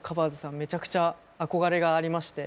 めちゃくちゃ憧れがありまして。